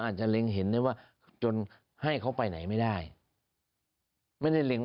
โดนหมด